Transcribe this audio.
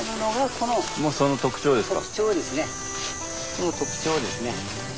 この特徴ですね。